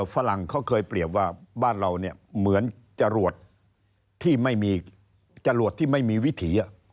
ฝรั่งเขาเคยเปรียบว่าบ้านเราเหมือนจรวดที่ไม่มีวิถี